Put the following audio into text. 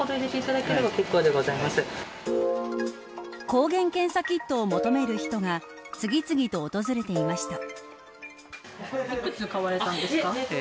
抗原検査キットを求める人が次々と訪れていました。